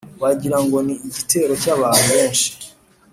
wagira ngo ni igitero cy’abantu benshi.